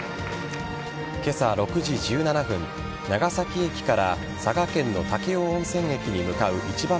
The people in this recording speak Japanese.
今朝６時１７分、長崎駅から佐賀県の武雄温泉駅に向かう一番